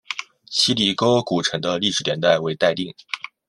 希里沟古城的历史年代为待定。